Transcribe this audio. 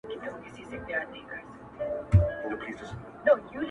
مه مو شمېره پیره په نوبت کي د رندانو٫